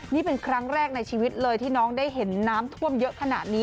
นี่เป็นครั้งแรกในชีวิตเลยที่น้องได้เห็นน้ำท่วมเยอะขนาดนี้